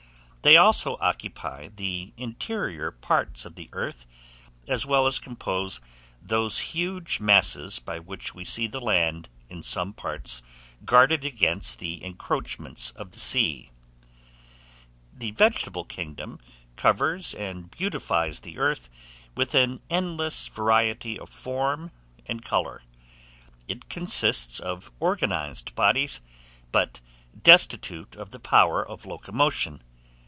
They also occupy the interior parts of the earth, as well as compose those huge masses by which we see the land in some parts guarded against the encroachments of the sea. The Vegetable Kingdom covers and beautifies the earth with an endless variety of form and colour. It consists of organized bodies, but destitute of the power of locomotion.